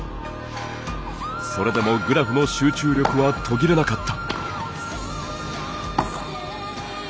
それでもグラフの集中力は途切れなかった。